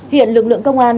hiện lực lượng công an